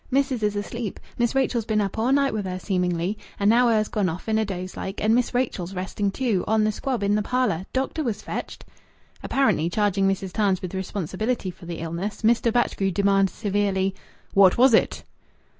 "Missis is asleep. Miss Rachel's been up aw night wi' her, seemingly, and now her's gone off in a doze like, and Miss Rachel's resting, too, on th' squab i' th' parlor. Doctor was fetched." Apparently charging Mrs. Tarns with responsibility for the illness, Mr. Batchgrew demanded severely "What was it?"